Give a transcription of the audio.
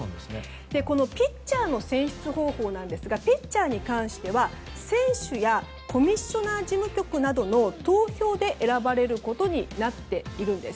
このピッチャーの選出方法ですがピッチャーに関しては選手やコミッショナー事務局などの投票で選ばれることになっているんです。